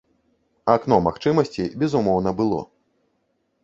Акно магчымасці, безумоўна, было.